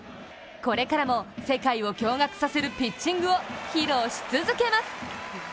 これからも世界を驚がくさせるピッチングを披露し続けます。